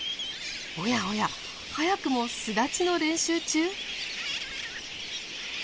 おやおや早くも巣立ちの練習中？